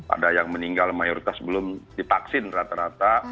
ada yang meninggal mayoritas belum divaksin rata rata